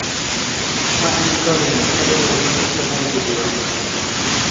ГӀяхӀли кален, хъалибарглизи саламти дура.